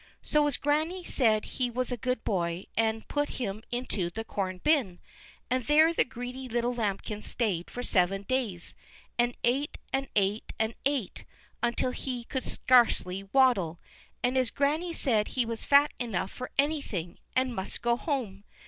So his granny said he was a good boy, and put him into the corn bin, and there the greedy little Lambikin stayed for seven days, and ate, and ate, and ate, until he could scarcely waddle, and his granny said he was fat enough for anything, and must go home.